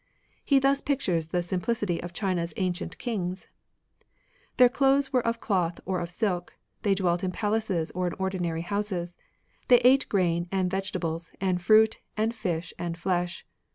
He thus pictures the simplicity of Chma's ancient kings :—" Their clothes were of cloth or of silk. They dwelt in palaces or in ordinary houses. They ate grain and vegetables and fruit and fish and flesh.